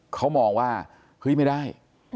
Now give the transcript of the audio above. เขามองว่าเฮ้ยไม่ได้